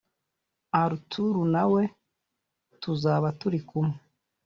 Arthur na we tuzaba turi kumwe